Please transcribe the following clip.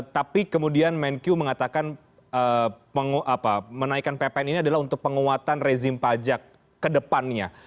tapi kemudian menq mengatakan menaikkan ppn ini adalah untuk penguatan rezim pajak ke depannya